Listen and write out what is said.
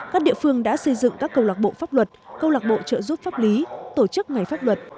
các địa phương đã xây dựng các câu lạc bộ pháp luật câu lạc bộ trợ giúp pháp lý tổ chức ngày pháp luật